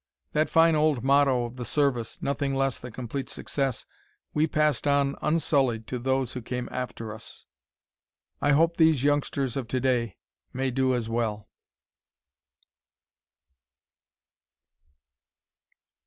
That fine old motto of the Service, "Nothing Less Than Complete Success," we passed on unsullied to those who came after us. I hope these youngsters of to day may do as well.